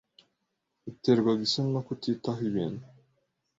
Yaterwaga isoni no kutitaho ibintu.